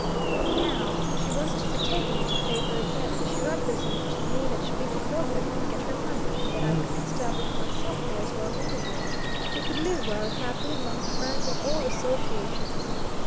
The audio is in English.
But now she was to be taken into favor again, and she represented to me that we could go back and get her money, and that I could establish myself there as well as anywhere; we could live well and happily among her friends and old associations.